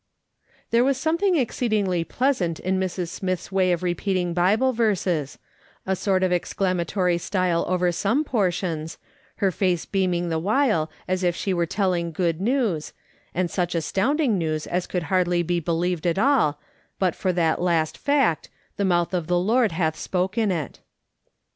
" There was something exceedingly pleasant in Mrs. Smith's way of repeating Bible verses ; a sort of exclamatory style over some portions, her face beam ing the while as if she were telling good new^s, and such astounding news as could hardly be believed at all, but for that last fact, " the mouth of the Lord hath spoken it."